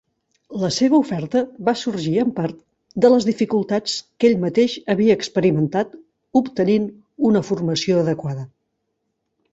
La seva oferta va sorgir en part de les dificultats que ell mateix havia experimentat obtenint una formació adequada.